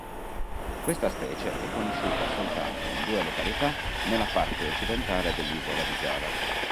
Questa specie è conosciuta soltanto in due località nella parte occidentale dell'Isola di Giava.